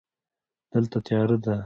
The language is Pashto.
دلته تیاره ده.